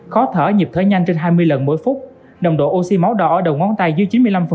khó thở nhịp thở nhanh trên hai mươi lần mỗi phút nồng độ oxy máu đỏ ở đầu ngón tay dưới chín mươi năm